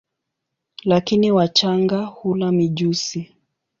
Lakini wachanga hula mijusi.